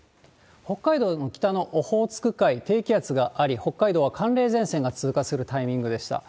北海道の北のオホーツク海、低気圧があり、北海道、寒冷前線が通過するタイミングでした。